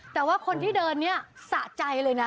แต่ว่าคนที่เดินเนี่ยสะใจเลยนะ